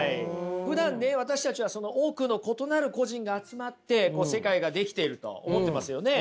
ふだんね私たちは多くの異なる個人が集まって世界が出来てると思ってますよね。